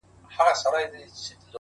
زلیخا دي کړه شاعره زه دي هلته منم عشقه,